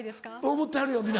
思ってはるよ皆。